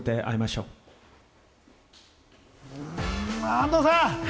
安藤さん